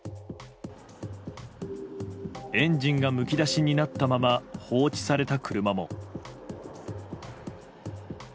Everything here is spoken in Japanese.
エンジンがむき出しになったまま放置された車も。